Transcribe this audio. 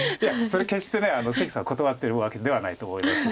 それ決して関さん断ってるわけではないと思います。